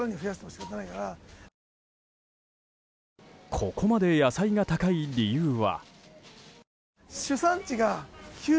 ここまで野菜が高い理由は。